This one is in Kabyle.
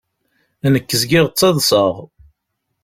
Nekk zgiɣ ttaḍṣaɣ.